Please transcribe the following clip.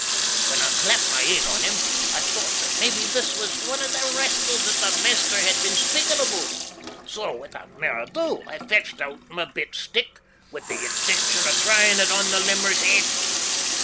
When I clapped my een on him I thocht that maybe this was ane of the rascals that the maister had been speakin' aboot, so withoot mair ado I fetched oot my bit stick with the intention o' tryin' it upon the limmer's heid.